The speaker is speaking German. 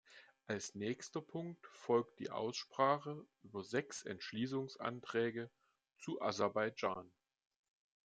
Als nächster Punkt folgt die Aussprache über sechs Entschließungsanträge zu Aserbaidschan.